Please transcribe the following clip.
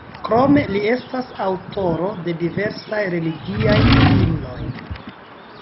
Krome li estas aŭtoro de diversaj religiaj himnoj.